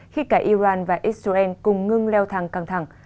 khi cả iran và israel cùng ngưng leo thang căng thẳng